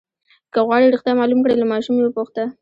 که غواړئ رښتیا معلوم کړئ له ماشوم یې وپوښته.